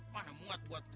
mana muat buatku